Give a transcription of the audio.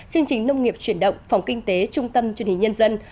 chương trình nông nghiệp chuyển động phòng kinh tế trung tâm truyền hình nhân dân